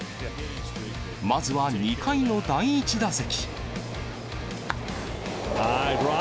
まずは２回の第１打席。